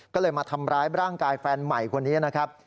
ก็เลยมาทำร้ายร่างกายแฟนใหม่คนนี้นะครับ